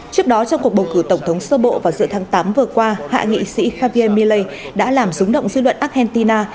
trước đó trong cuộc bầu cử tổng thống sơ bộ vào giữa tháng tám vừa qua hạ nghị sĩ javier milley đã làm rúng động dư luận argentina